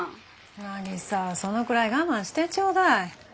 なにさそのくらい我慢してちょうだい。